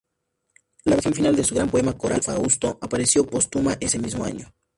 La versión final de su gran poema coral "Fausto" apareció póstuma ese mismo año.